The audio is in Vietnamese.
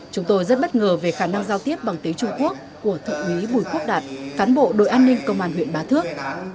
chúng tôi rất bất ngờ về khả năng giao tiếp bằng tiếng trung quốc của thượng úy bùi quốc đạt cán bộ đội an ninh công an huyện bá thước